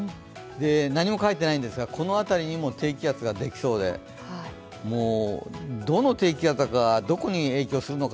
何も書いていないんですが、この辺りにも低気圧ができそうで、どの低気圧がどこに影響するのか